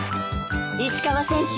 石川選手。